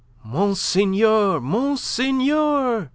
"Monseigneur! Monseigneur!"